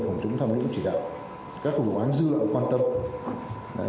phòng chống tham lũ chỉ đạo các phục án dư lợi quan tâm